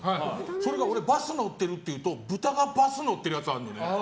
それが俺がバスに乗ってるって言うと豚がバス乗ってるやつがあるんだよね。